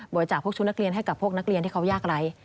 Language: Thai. จากพวกชุดนักเรียนให้กับพวกนักเรียนที่เขายากไร้